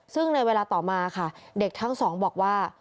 ซึ่งในเวลาต่อมาค่ะเด็กทั้งสองบอกว่า